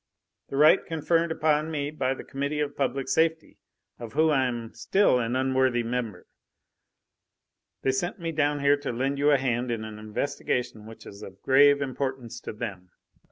"The right conferred upon me by the Committee of Public Safety, of whom I am still an unworthy member. They sent me down here to lend you a hand in an investigation which is of grave importance to them."